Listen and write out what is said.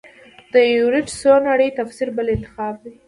د ایورېټ څو نړۍ تفسیر بل انتخاب دی.